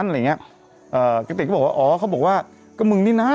อะไรอย่างเงี้ยเอ่อกระติกก็บอกว่าอ๋อเขาบอกว่าก็มึงนี่นะ